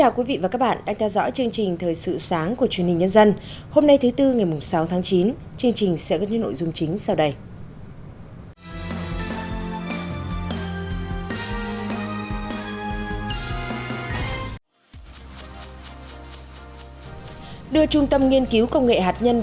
các bạn hãy đăng ký kênh để ủng hộ kênh của chúng mình nhé